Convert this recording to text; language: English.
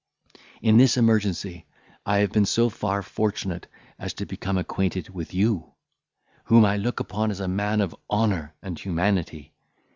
In this emergency I have been so far fortunate as to become acquainted with you, whom I look upon as a man of honour and humanity.